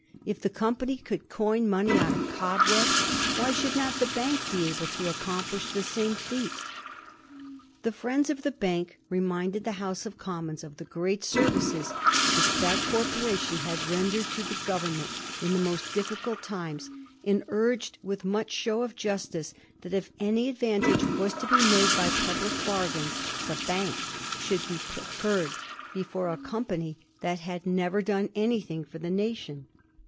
If the company could coin money out of cobwebs, why should not the Bank be able to accomplish the same feat ? The friends of the Bank reminded the House of Commons of the great services which that corporation had rendered to the Government in the most difficult times, and urged, with much show of justice, that if any ad vantage was to be made by public bargains, the Bank should be preferred before a company that had never done anything for the nation.